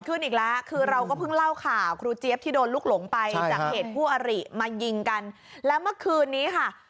อีกแล้วคือเราก็เพิ่งเล่าข่าวครูเจี๊ยบที่โดนลุกหลงไปจากเหตุคู่อริมายิงกันแล้วเมื่อคืนนี้ค่ะ